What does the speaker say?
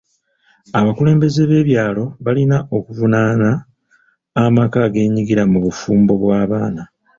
Abakulembeze b'ebyalo balina okuvunaana amaka ageenyigira mu bufumbo bw'abaana.